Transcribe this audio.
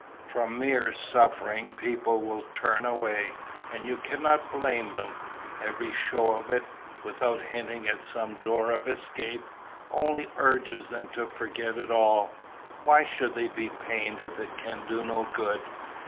From mere suffering people will turn away, and you cannot blame them. Every show of it, without hinting at some door of escape, only urges them to forget it all. Why should they be pained if it can do no good?"